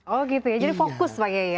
oh gitu ya jadi fokus ya